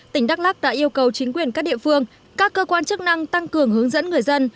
tỉnh đắk lắc đã yêu cầu chính quyền các địa phương các cơ quan chức năng tăng cường hướng dẫn người dân